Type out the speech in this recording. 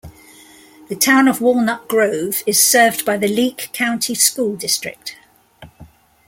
The Town of Walnut Grove is served by the Leake County School District.